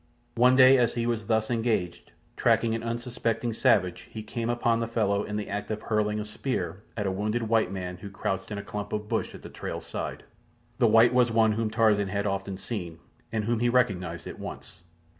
One day as he was thus engaged, tracking an unsuspecting savage, he came upon the fellow in the act of hurling a spear at a wounded white man who crouched in a clump of bush at the trail's side. The white was one whom Tarzan had often seen, and whom he recognized at once.